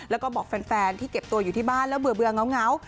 แล้วก็บอกแฟนที่เก็บตัวอยู่ที่บ้านแล้วเบื่อเหงา